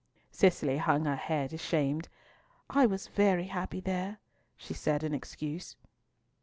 Cicely hung her head ashamed. "I was very happy there," she said in excuse.